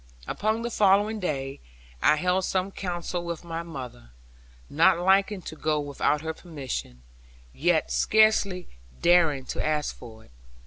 Upon the following day, I held some council with my mother; not liking to go without her permission, yet scarcely daring to ask for it.